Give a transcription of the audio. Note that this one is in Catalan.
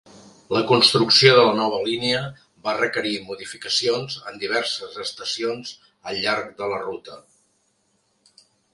La construcció de la nova línia va requerir modificacions en diverses estacions al llarg de la ruta.